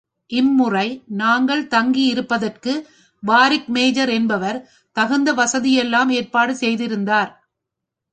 இம்முறை நாங்கள் தங்கியிருப்பதற்கு வாரிக்மேஜர் என்பவர் தகுந்த வசதியெல்லாம் ஏற்பாடு செய்திருந்தார்.